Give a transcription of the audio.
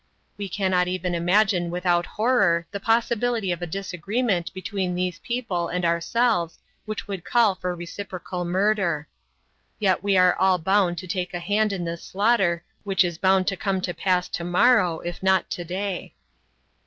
We cannot even imagine without horror the possibility of a disagreement between these people and ourselves which would call for reciprocal murder. Yet we are all bound to take a hand in this slaughter which is bound to come to pass to morrow not to day.